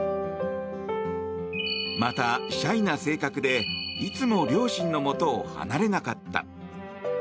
また、シャイな性格でいつも、両親のもとを離れなかった。